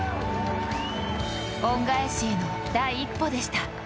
恩返しへの第一歩でした。